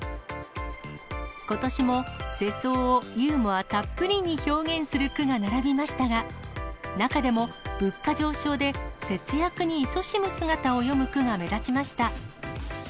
ことしも世相をユーモアたっぷりに表現する句が並びましたが、中でも、物価上昇で節約にいそしむ姿を詠む句が目立ちました。